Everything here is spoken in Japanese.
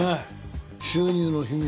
収入の秘密